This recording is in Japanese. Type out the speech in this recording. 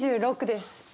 ２６です。